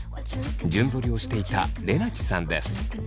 順ぞりをしていたれなちさんです。